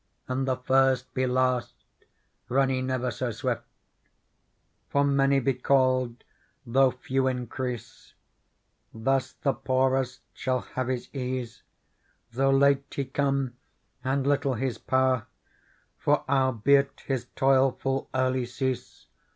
And the first be last, run he never so swift ; For many be called, though few encrease. Thus the poorest shall have his ease. Though late he come and little his power ; For, albeit his toil full early cease.